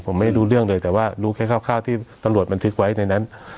ผมไม่รู้เรื่องเลยแต่ว่ารู้แค่คร่าวที่ตำรวจบันทึกไว้ในนั้น